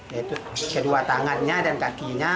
yaitu kedua tangannya dan kakinya